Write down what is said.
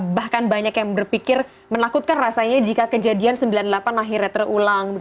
bahkan banyak yang berpikir menakutkan rasanya jika kejadian sembilan puluh delapan akhirnya terulang